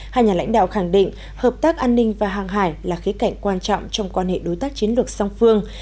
hai nhà lãnh đạo khẳng định hợp tác an ninh và hàng hải là khía cạnh quan trọng trong quan hệ đối tác chiến lược song phương